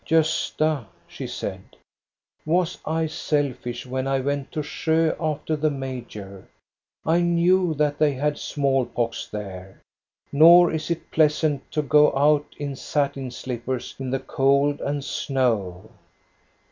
Gosta," she said, " was I selfish when I went to Sjo after the major; I knew that they had small pox there. Nor is it pleasant to go out in satin slippers in the cold and snow."